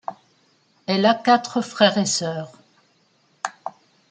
Elle a quatre frères et sœurs.